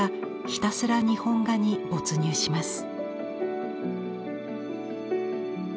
ひたすら日本画に没入します。